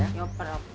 ini oper ibu